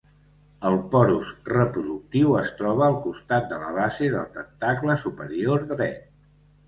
El porus reproductiu es troba al costat de la base del tentacle superior dret.